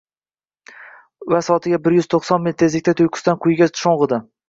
Va soatiga bir yuz to‘qson mil tezlikda tuyqusdan quyiga sho‘ng‘idi.